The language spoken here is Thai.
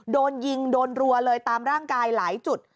โดนยิงโดนรัวเลยตามร่างกายหลายจุด